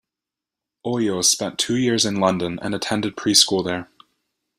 Oyo spent two years in London and attended preschool there.